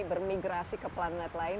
bermigrasi ke planet lain